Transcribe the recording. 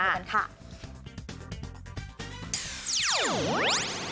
ดูกันค่ะ